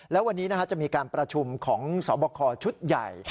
แล้ววันนี้จะมีการประชุมของสอบคอชุดใหญ่